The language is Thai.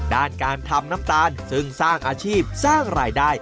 ด้านการทำน้ำตาลซึ่งสร้างอาชีพสร้างรายได้